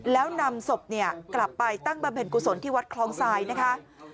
แล้วนำศพเนี่ยกลับไปตั้งบำเพ็ญกุศลที่วัดคลองทรายนะคะ